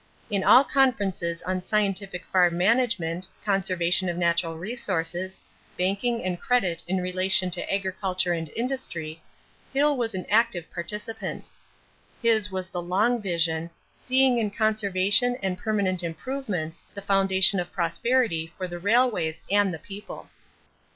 In all conferences on scientific farm management, conservation of natural resources, banking and credit in relation to agriculture and industry, Hill was an active participant. His was the long vision, seeing in conservation and permanent improvements the foundation of prosperity for the railways and the people.